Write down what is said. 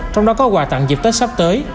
trong đó có quà tặng dịp tết sắp tới